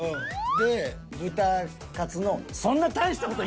で豚カツの。